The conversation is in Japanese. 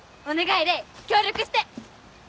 お願いレイ協力して。